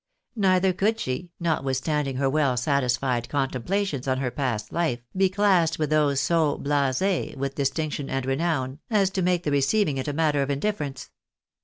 Neither could she, not withstanding her well satisfied contemplations on her past life, be classed with those so biases with distinction and renown, as to make the receiving it a matter of indifference.